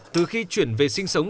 từ khi chuyển về sinh sống